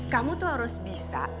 kamu tuh harus bisa